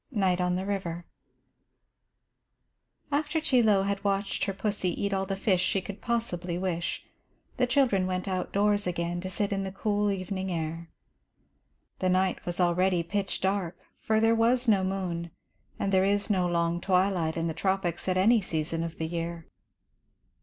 NIGHT ON THE RIVER AFTER Chie Lo had watched her pussy eat all the fish she could possibly wish, the children went outdoors again to sit in the cool evening air. The night was already pitch dark, for there was no moon, and there is no long twilight in the tropics at any season of the year.